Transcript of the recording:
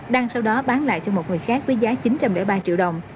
đăng sau đó bán lại cho một người khác với giá chín trăm linh ba triệu đồng